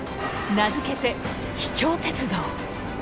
名付けて「秘境鉄道」。